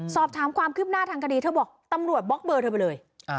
สอบถามความคืบหน้าทางคดีเธอบอกตำรวจบล็อกเบอร์เธอไปเลย